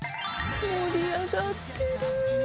盛り上がってる。